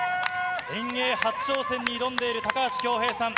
遠泳初挑戦に挑んでいる高橋恭平さん。